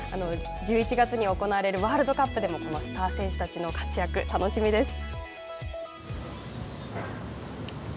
１１月に行われるワールドカップでもこのスター選手たちの活躍楽しみです。